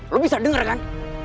lu bisa denger kan